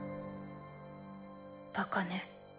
バカね。